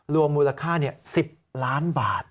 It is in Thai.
มูลค่า๑๐ล้านบาท